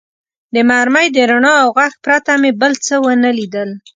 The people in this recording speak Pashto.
د مرمۍ د رڼا او غږ پرته مې بل څه و نه لیدل.